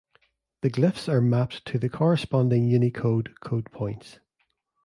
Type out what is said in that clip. The glyphs are mapped to the corresponding Unicode code points.